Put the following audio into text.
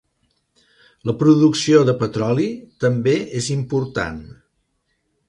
La producció de petroli també és important.